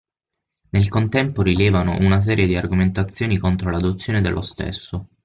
Nel contempo rilevano una serie di argomentazioni contro l'adozione dello stesso.